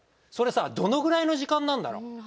それさどのくらいの時間なんだろう？